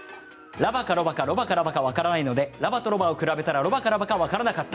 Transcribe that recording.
ラバかロバかロバかラバか分からないのでラバとロバを比べたらロバかラバか分からなかった。